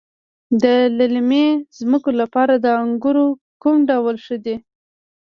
د للمي ځمکو لپاره د انګورو کوم ډول ښه دی؟